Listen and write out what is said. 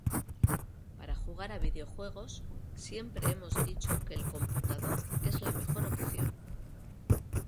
Para jugar a videojuegos, siempre hemos dicho que el computador es la mejor opción